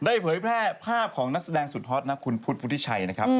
ได้เพลย์แพร่ภาพของนักแสดงสุดฮอตนครพุทธิชัยนะครับ